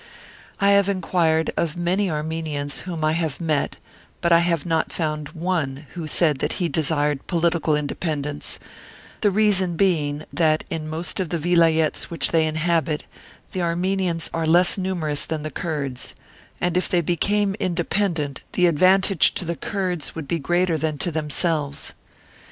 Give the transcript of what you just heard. I have enquired of many Armenians whom I have met, but I have not found one who said that he desired political independence, the reason being that in most of the Vilayets which they inhabit the Armenians are less numerous than the Kurds, and if they became independent the advan tage to the Kurds would be greater than to them selves.